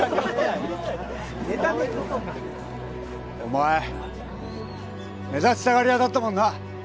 お前目立ちたがり屋だったもんな。